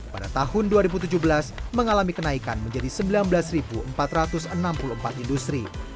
pada tahun dua ribu tujuh belas mengalami kenaikan menjadi sembilan belas empat ratus enam puluh empat industri